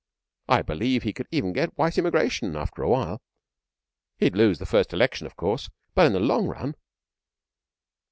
I believe he could even get white immigration after a while. He'd lose the first election, of course, but in the long run....